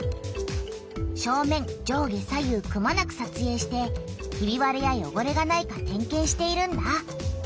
正面上下左右くまなくさつえいしてひびわれやよごれがないか点けんしているんだ。